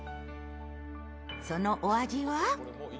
そのお味は？